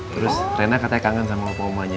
terus rena katanya kangen sama opa omanya